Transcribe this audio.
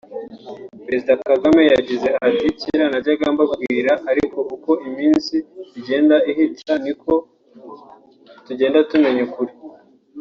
Perezida Kagame yagize ati “Kera najyaga mbabwira ariko uko iminsi igenda ihita ni ko tugenda tumenya ukuri